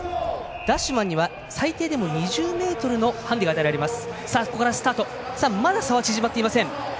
ＤＡＳＨＭＡＮには最低でも２０ｍのハンデが与えられます。